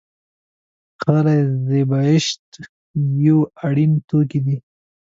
غلۍ د زېبایش یو اړین توکی دی.